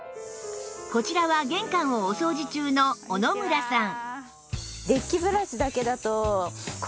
こちらは玄関をお掃除中の小野村さん